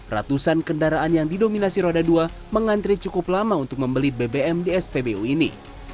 ratusan kendaraan yang didominasi roda dua mengantri cukup lama untuk membeli bbm di spbu ini